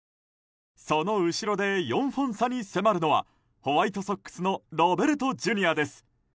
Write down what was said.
その後ろで４本差に迫るのはホワイトソックスのロベルトＪｒ．です。